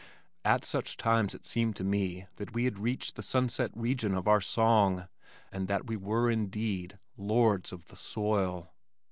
At such times it seemed to me that we had reached the "sunset region" of our song, and that we were indeed "lords of the soil."